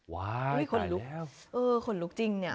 ขนลุกเออขนลุกจริงเนี่ย